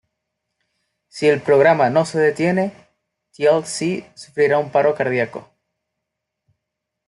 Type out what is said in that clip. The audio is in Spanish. Si el programa no se detiene, Teal'c sufrirá un paro cardiaco.